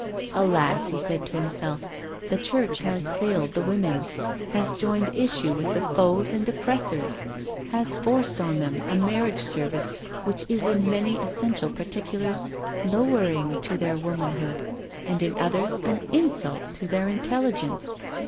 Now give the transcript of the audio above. "Alasl" he said to himself, "the Church has failed the women, has joined issue with their foes and op pressors, has forced on them a marriage service which is in many essential particulars lowering to their woman hood, and in others an insult to their intelligence.